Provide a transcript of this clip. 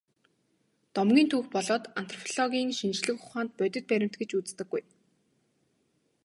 Домгийг түүх болоод антропологийн шинжлэх ухаанд бодит баримт гэж үздэггүй.